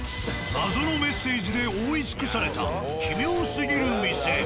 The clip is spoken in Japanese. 謎のメッセージで覆い尽くされた奇妙すぎる店。